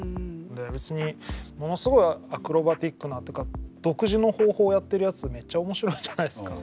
別にものすごいアクロバティックなとか独自の方法やってるやつめっちゃ面白いじゃないですか。